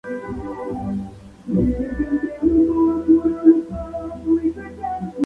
Internacionalmente, ha sido bien recibida.